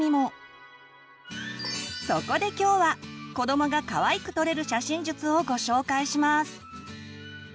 そこで今日は子どもがかわいく撮れる写真術をご紹介します！